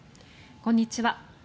こんにちは。